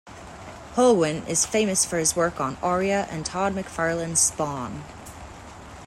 Holguin is known for his work on "Aria" and Todd McFarlane's "Spawn".